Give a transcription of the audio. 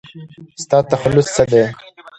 ستا تخلص څه دی ؟